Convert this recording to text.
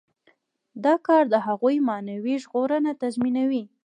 دا کار د هغوی معنوي ژغورنه تضمینوي.